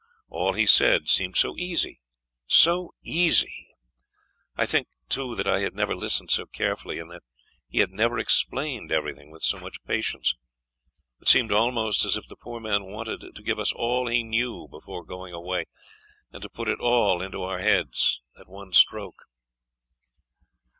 All he said seemed so easy, so easy! I think, too, that I had never listened so carefully, and that he had never explained everything with so much patience. It seemed almost as if the poor man wanted to give us all he knew before going away, and to put it all into our heads at one stroke.